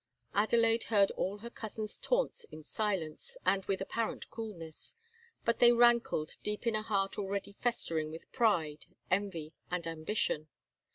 Adelaide heard all her cousin's taunts in silence and with apparent coolness; but they rankled deep in a heart already festering with pride, envy, and ambition.